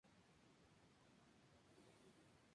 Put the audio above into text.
Su contraportada estaba ocupada por una sección didáctica.